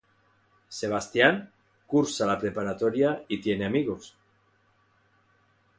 Sebastián cursa la preparatoria y tiene amigos.